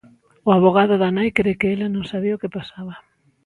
O avogado da nai cre que ela non sabía o que pasaba.